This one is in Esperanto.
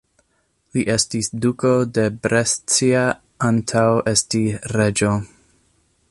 Li estis duko de Brescia antaŭ esti reĝo.